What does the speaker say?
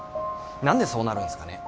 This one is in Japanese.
何でそうなるんすかね。